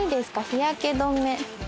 日焼け止め。